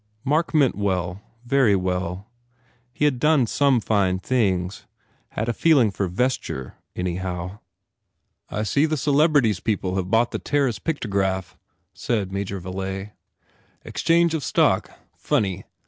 Mark meant well, very well. He had done some fine things, had a feeling for vesture, anyhow. "I see the Celebrities people have bought the Terriss Pictograph," said Major Viilay, "Ex change of stock. Funny.